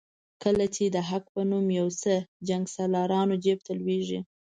کله چې د حق په نوم یو څه جنګسالارانو جیب ته ولوېږي.